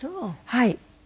はい。